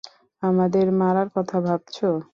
আমাদেরকে মারার কথা ভাবছো?